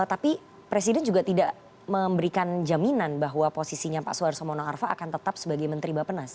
tapi presiden juga tidak memberikan jaminan bahwa posisinya pak suharto mono arfa akan tetap sebagai menteri bapak nas